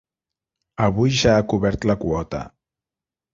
Avui ja ha cobert la quota.